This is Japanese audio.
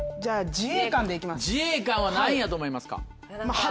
自衛官は何位やと思いますか？